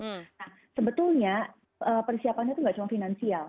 nah sebetulnya persiapannya itu nggak cuma finansial